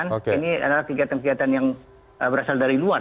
ini adalah kegiatan kegiatan yang berasal dari luar